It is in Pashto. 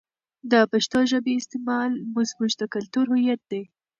د پښتو ژبې استعمال زموږ د کلتور هویت دی.